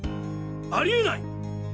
あり得ない！